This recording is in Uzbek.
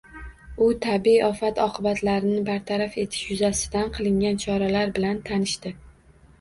U tabiiy ofat oqibatlarini bartaraf etish yuzasidan qilingan. choralar bilan tanishdi.